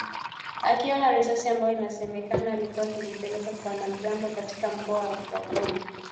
akiwa na risasi ambazo inasemekana alikuwa akizipeleka kwa wanamgambo katika mkoa wa Kobu